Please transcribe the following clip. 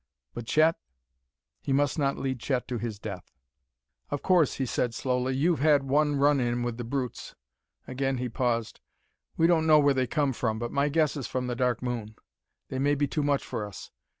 But Chet? he must not lead Chet to his death. "Of course," he said slowly, "you've had one run in with the brutes." Again he paused. "We don't know where they come from, but my guess is from the Dark Moon. They may be too much for us....